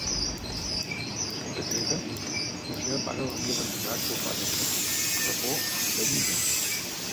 Nascut a Creta, la seva mare l'havia abandonat quan va néixer, per por de Minos.